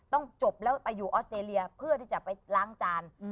จบแล้วไปอยู่ออสเตรเลียเพื่อที่จะไปล้างจาน